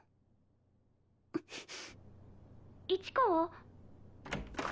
市川？